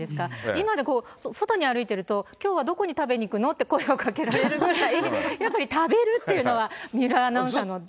今、外で歩いてると、きょうはどこに食べに行くのって声をかけられるぐらい、やっぱり食べるっていうのは、水卜アナウンサーのね。